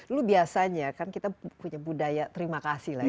lu biasanya kan kita punya budaya terima kasih lah ya